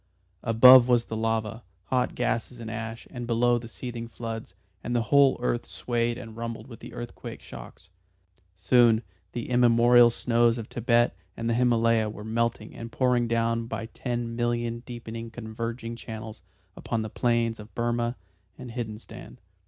Above was the lava, hot gases and ash, and below the seething floods, and the whole earth swayed and rumbled with the earthquake shocks. Soon the immemorial snows of Thibet and the Himalaya were melting and pouring down by ten million deepening converging channels upon the plains of Burmah and Hindostan.